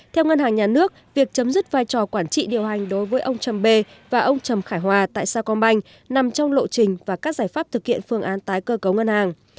theo ngân hàng nhà nước việc chấm dứt vai trò quản trị điều hành đối với ông trầm bê và ông trầm khải hòa tại sacombank nằm trong lộ trình và các giải pháp thực hiện phương án tái cơ cấu ngân hàng